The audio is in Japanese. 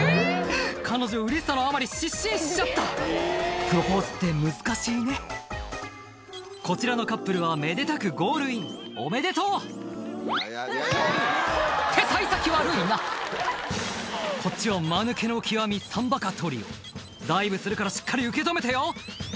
彼女うれしさのあまり失神しちゃったプロポーズって難しいねこちらのカップルはめでたくゴールインおめでとう！って幸先悪いなこっちはまぬけの極み３バカトリオ「ダイブするからしっかり受け止めてよ」